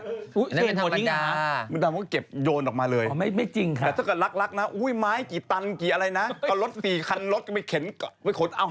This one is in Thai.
ไอ้ไฟหัวเหลานะไอ้ไฟหัวเหลา